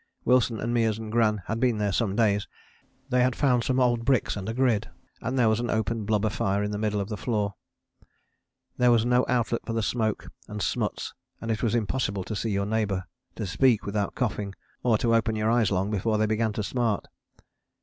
Wilson and Meares and Gran had been there some days; they had found some old bricks and a grid, and there was an open blubber fire in the middle of the floor. There was no outlet for the smoke and smuts and it was impossible to see your neighbour, to speak without coughing, or to open your eyes long before they began to smart.